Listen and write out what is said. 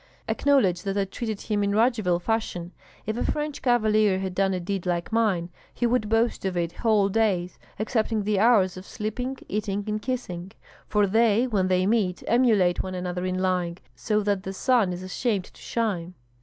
Acknowledge that I treated him in Radzivill fashion; if a French cavalier had done a deed like mine, he would boast of it whole days, excepting the hours of sleeping, eating, and kissing; for they, when they meet, emulate one another in lying, so that the sun is ashamed to shine."